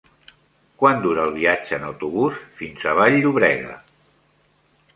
Quant dura el viatge en autobús fins a Vall-llobrega?